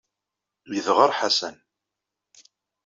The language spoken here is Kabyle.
Yedɣer Ḥasan.